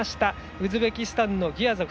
ウズベキスタンのギヤゾフ。